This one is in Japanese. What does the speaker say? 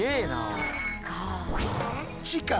そっか。